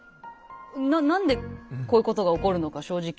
何でこういうことが起こるのか正直。